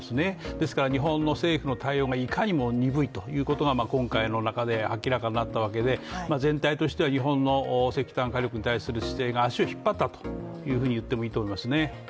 ですから日本の政府の対応がいかに鈍いということが今回明らかになったわけで全体としては日本の石炭火力に対する姿勢が足を引っ張ったと言ってもいいと思いますね。